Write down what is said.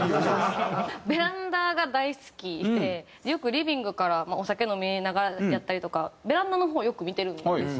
ベランダが大好きでよくリビングからお酒飲みながらやったりとかベランダの方をよく見てるんですよ。